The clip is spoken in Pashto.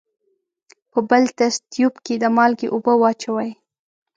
په بل تست تیوب کې د مالګې اوبه واچوئ.